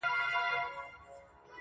چي پاڼه وشړېدل.